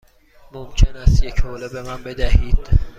ممکن است یک حوله به من بدهید؟